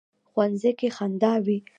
ښوونځی کې خندا وي